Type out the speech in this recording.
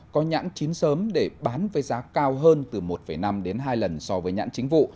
có nhãn chín sớm để bán với giá cao hơn từ một năm đến hai lần so với nhãn chính vụ